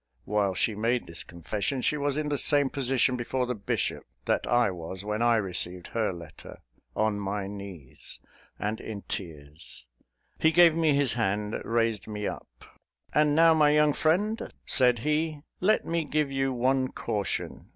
While she made this confession, she was in the same position before the bishop, that I was when I received her letter on my knees, and in tears. He gave me his hand, raised me up, "And, now, my young friend," said he, "let me give you one caution.